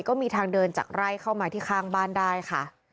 ก็มีทางเดินจากไร่เข้ามาที่ข้างบ้านได้ค่ะ